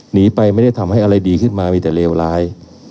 หนีไปไม่ได้ทำให้อะไรดีขึ้นมามีแต่เลวร้าย